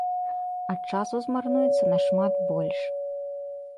А часу змарнуецца нашмат больш.